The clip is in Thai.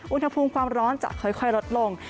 อุณหภูมิความร้อนจะค่อยลดลง